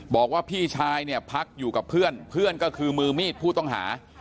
บอกว่าพี่ชายเนี่ยพักอยู่กับเพื่อนเพื่อนก็คือมือมีดผู้ต้องหา